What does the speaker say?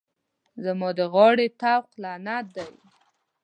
زما د غاړې طوق لعنت دی.